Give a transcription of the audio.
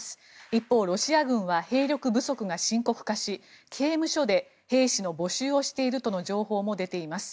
一方、ロシア軍は兵力不足が深刻化し刑務所で兵士の募集をしているとの情報も出ています。